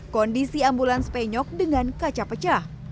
kondisi ambulans penyok dengan kaca pecah